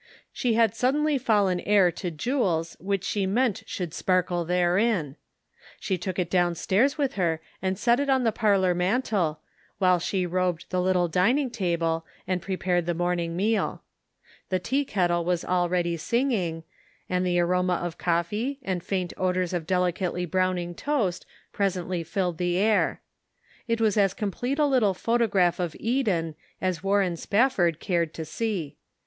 She had suddenly fallen heir to jewels which she meant should sparkle therein. She took it down stairs with her and set it on the parlor mantel, while she robed the little dining table and prepared the morning meal. The tea ket tle was already singing, and the aroma of coffee and faint odors of delicately browning toast presently fijled the air. It was as complete a little photograph of Eden as Warren Spafford cared to see.